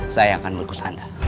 saya akan merkus anda